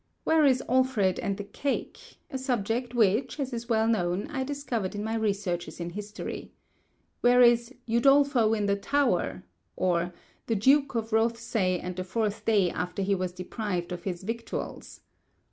Where is Alfred and the Cake—a subject which, as is well known, I discovered in my researches in history. Where is "Udolpho in the Tower"? or the "Duke of Rothsay the Fourth Day after He was Deprived of his Victuals"?